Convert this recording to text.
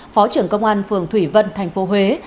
phó trưởng công an phường thủy vân tp huế